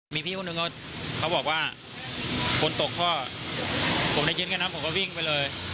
มีพี่คนหนึ่งเขาบอกว่าคนตกพ่อผมได้ยินแค่นั้นผมก็วิ่งไปเลย